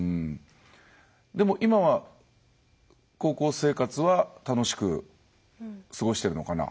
でも今は高校生活は楽しく過ごしてるのかな？